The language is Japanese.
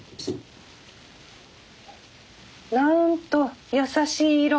なんと優しい色。